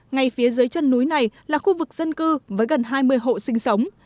ngay phía dưới chân núi này là khu vực dân cư với gần hai mươi hộ sinh sống